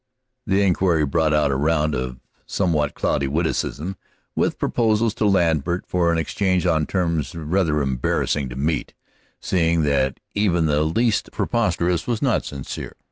The inquiry brought out a round of somewhat cloudy witticism, with proposals to Lambert for an exchange on terms rather embarrassing to meet, seeing that even the least preposterous was not sincere.